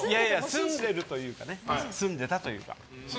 住んでるというか住んでたというか。